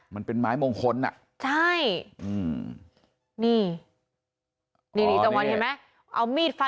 มันเป็นไม้มงคลน่ะใช่